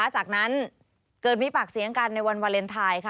จากนั้นเกิดมีปากเสียงกันในวันวาเลนไทย